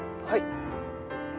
はい。